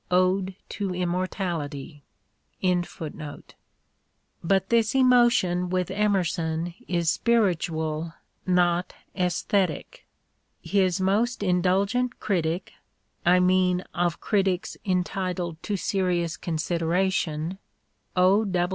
X " Ode to Immortality." EMERSON'S WRITINGS 167 but this emotion with Emerson is spiritual, not aesthetic. His most indulgent critic — I mean of critics entitled to serious consideration — O.